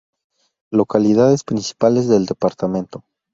Localidades principales del Departamento.